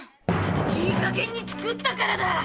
いい加減に作ったからだ！